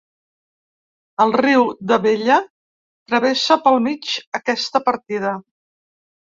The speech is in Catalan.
El riu d'Abella travessa pel mig aquesta partida.